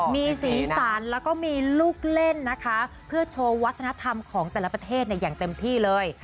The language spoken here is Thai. มีสีสันแล้วก็มีลูกเล่นนะคะเพื่อโชว์วัฒนธรรมของแต่ละประเทศอย่างเต็มที่เลย